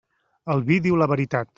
El vi diu la veritat.